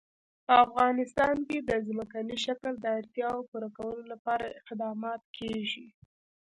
په افغانستان کې د ځمکنی شکل د اړتیاوو پوره کولو لپاره اقدامات کېږي.